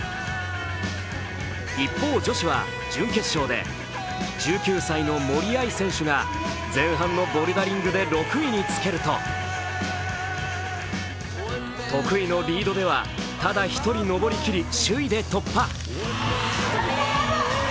一方、女子は準決勝で１９歳の森秋彩選手が前半のボルダリングで６位につけると得意のリードではただ１人登り切り、首位で突破。